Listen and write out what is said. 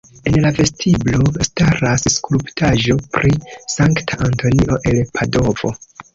En la vestiblo staras skulptaĵo pri Sankta Antonio el Padovo.